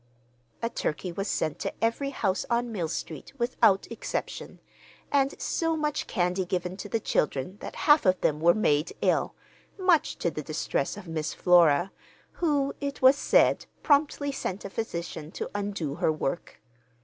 A turkey was sent to every house on Mill Street, without exception, and so much candy given to the children that half of them were made ill, much to the distress of Miss Flora, who, it was said, promptly sent a physician to undo her work.